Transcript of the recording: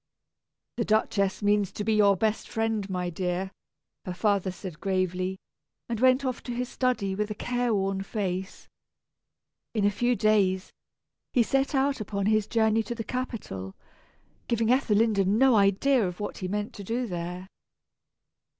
"The Duchess means to be your best friend, my dear," her father said gravely, and went off to his study with a care worn face. In a few days, he set out upon his journey to the capital, giving Ethelinda no idea of what he meant to do there.